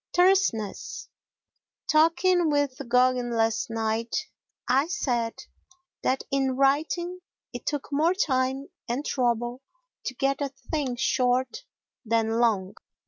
Terseness Talking with Gogin last night, I said that in writing it took more time and trouble to get a thing short than long.